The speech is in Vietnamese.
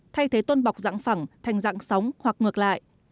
thay thế tôn bọc dạng phẳng thành dạng sóng hoặc ngược lại